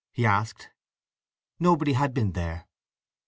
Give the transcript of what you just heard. he asked. Nobody had been there.